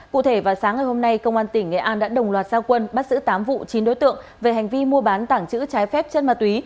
cụ thể vào sáng ngày hôm nay công an tỉnh nghệ an đã đồng loạt gia quân bắt giữ tám vụ chín đối tượng về hành vi mua bán tảng chữ trái phép chân ma túy